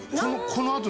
このあと。